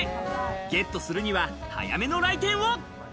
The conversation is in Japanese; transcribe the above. ゲットするには早めの来店を！